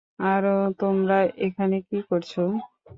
আরে তোমরা এখানে কি করছো?